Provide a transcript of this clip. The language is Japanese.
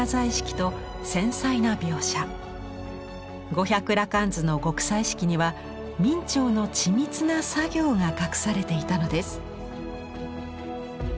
「五百羅漢図」の極彩色には明兆の緻密な作業が隠されていたのです。